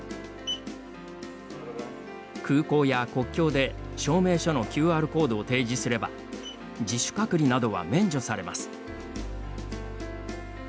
空港や国境で証明書のＱＲコードを提示すれば自主隔離などは免除されます。